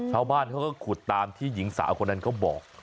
ชาวบ้านเขาก็ขุดตามที่หญิงสาวคนนั้นเขาบอก